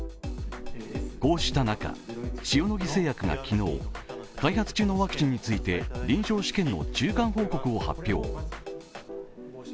こうした中、塩野義製薬が昨日、開発中のワクチンについて臨床試験の中間報告を発表。